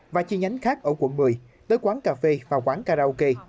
và chi nhánh khác ở quận một mươi tới quán cà phê và quán karaoke